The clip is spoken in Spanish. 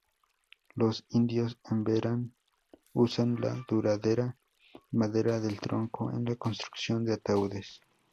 Los indios Emberá usan la duradera madera del tronco en la construcción de ataúdes.